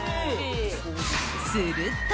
すると。